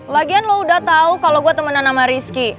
lagian lu udah tau kalo gua temenan sama rizky